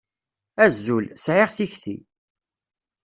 Azul, sεiɣ tikti.